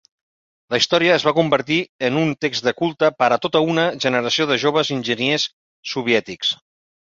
La història es va convertir en un text de culte per a tota una generació de joves enginyers soviètics.